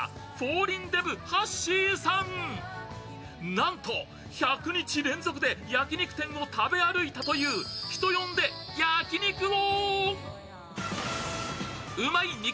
なんと１００日連続で焼肉店を食べ歩いたという人呼んで焼肉王。